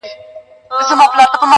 دلته برېتورو له مردیه لاس پرېولی دی،